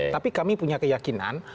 tapi kami punya keyakinan